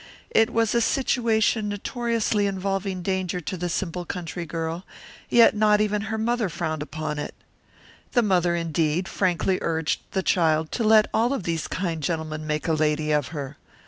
It was a situation notoriously involving danger to the simple country girl, yet not even her mother frowned upon it. The mother, indeed, frankly urged the child to let all of these kind gentlemen make a lady of her.